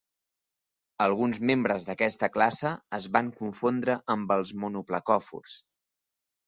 Alguns membres d'aquesta classe es van confondre amb els monoplacòfors.